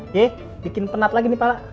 yeay bikin penat lagi nih pak